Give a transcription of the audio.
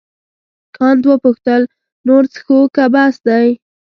کانت وپوښتل نور څښو که بس دی.